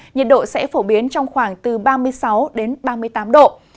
nhiệt độ sẽ phổ biến trong khoảng từ ba mươi sáu đến ba mươi tám độ